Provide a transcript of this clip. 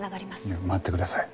いや待ってください。